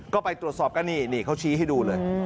ก็ไปตรวจสอบกันนี่นี่เขาชี้ให้ดูเลย